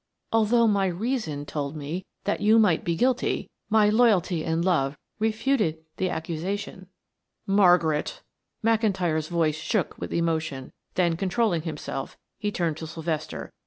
"Although my reason told me that you might be guilty, my loyalty and love refuted the accusation." "Margaret!" McIntyre's voice shook with emotion; then controlling himself he turned to Sylvester.